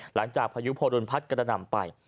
หลังจากพายุโพดุลมันพัดกระดำไป